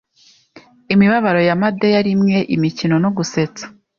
Imibabaro ya Medea rimwe imikino no gusetsa